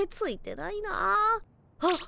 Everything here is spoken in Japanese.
あっ！